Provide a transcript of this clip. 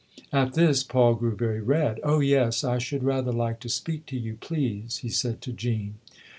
At this Paul grew very red. " Oh yes, I should rather like to speak to you, please," he said to Jean.